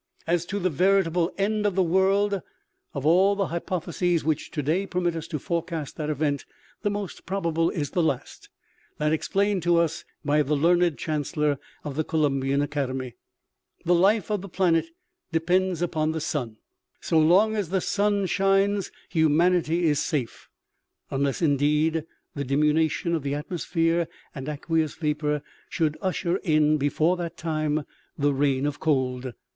"As to the veritable end of the world, of all the hypotheses which today permit us to forecast that event the most probable is the last that explained to us by the learned chancellor of the Columbian academy : the life of the planet depends upon the sun ; so long as the sun shines humanity is safe, unless indeed the diminution of the atmosphere and aqueous vapor should usher in before that time the reign of cold.